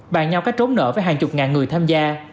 bàn nhau cách trốn nợ với hàng chục ngàn người tham gia